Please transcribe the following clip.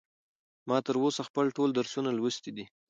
ما تر اوسه خپل ټول درسونه لوستي دي.